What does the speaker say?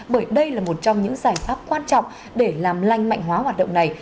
bởi đây là một trong những giải pháp quan trọng để làm lanh mạnh hóa hoạt động này